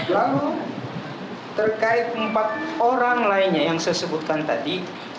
lalu terkait empat orang lainnya yang saya sebutkan tadi